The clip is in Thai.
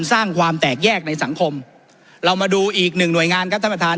สร้างความแตกแยกในสังคมเรามาดูอีกหนึ่งหน่วยงานครับท่านประธาน